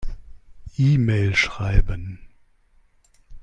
E-Mail schreiben.